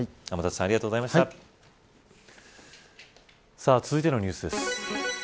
天達さん続いてのニュースです。